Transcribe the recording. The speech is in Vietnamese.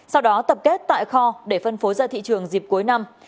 sau đó tập kết tại kho để phân phối ra thị trường dịp cuối năm